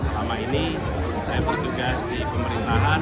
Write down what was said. selama ini saya bertugas di pemerintahan